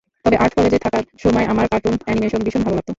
তবে আর্ট কলেজে থাকার সময় আমার কার্টুন অ্যানিমেশন ভীষণ ভালো লাগত।